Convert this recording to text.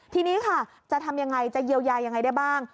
ทีนี้ค่ะจะทำยังไงจะเยียวยายังไงได้บ้าง